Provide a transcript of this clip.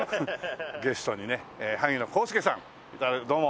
ゲストにね萩野公介さんどうも。